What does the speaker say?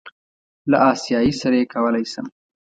له آسیایي سره یې کولی شم.